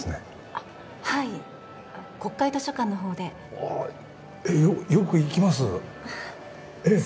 あっはい国会図書館の方でああよく行きますええええ